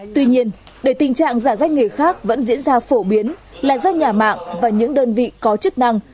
tuy nhiên để tình trạng giả danh người khác vẫn diễn ra phổ biến là do nhà mạng và những đơn vị có chức năng